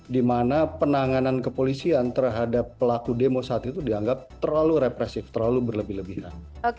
di mana penanganan kepolisian terhadap pelaku demo saat itu dianggap terlalu represif terlalu berlebih lebihan